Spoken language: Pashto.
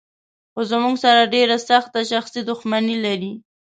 خو زموږ سره ډېره سخته شخصي دښمني لري.